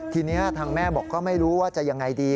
ทีนี้ทางแม่บอกก็ไม่รู้ว่าจะยังไงดี